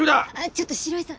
ちょっと城井さん。